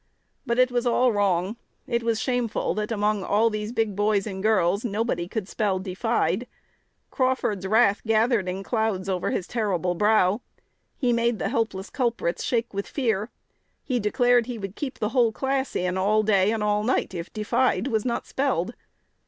But it was all wrong: it was shameful, that, among all these big boys and girls, nobody could spell "defied;" Crawford's wrath gathered in clouds over his terrible brow. He made the helpless culprits shake with fear. He declared he would keep the whole class in all day and all night, if "defied" was not spelled.